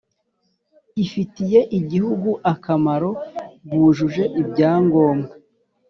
ifitiye igihugu akamaro bujuje ibyangombwa